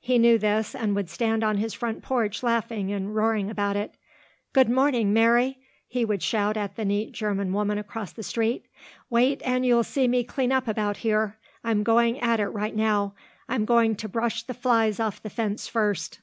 He knew this and would stand on his front porch laughing and roaring about it. "Good morning, Mary," he would shout at the neat German woman across the street. "Wait and you'll see me clean up about here. I'm going at it right now. I'm going to brush the flies off the fence first."